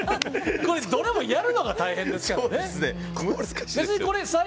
どれもやるのが大変ですね。